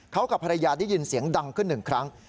เขากับภรรยาได้ยินเสียงดังขึ้นหนึ่งครั้ง